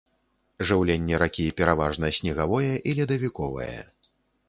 Жыўленне ракі пераважна снегавое і ледавіковае.